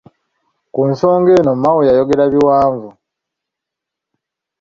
Ku nsonga eno Mao yayogera biwanvu.